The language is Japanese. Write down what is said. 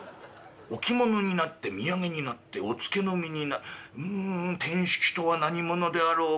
置物になって土産になっておつけの実になうんてんしきとは何物であろうか」。